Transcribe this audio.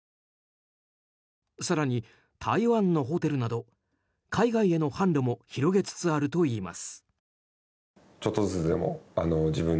更に、台湾のホテルなど海外への販路も広げつつあるといいます。